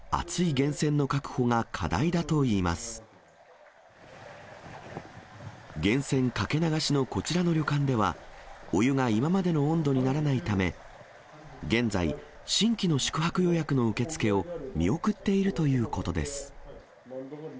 源泉かけ流しのこちらの旅館では、お湯が今までの温度にならないため、現在、新規の宿泊予約の受け付けを、見送っているということです。